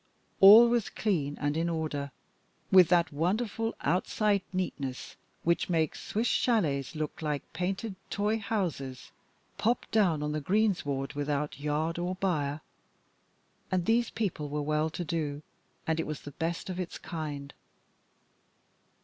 All was clean and in order, with that wonderful outside neatness which makes Swiss châlets look like painted toy houses popped down on the greensward without yard or byre. And these people were well to do, and it was the best of its kind.